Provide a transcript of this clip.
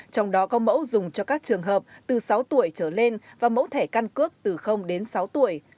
trong đó có mẫu dùng cho các trường hợp từ sáu tuổi trở lên và mẫu thẻ căn cước từ đến sáu tuổi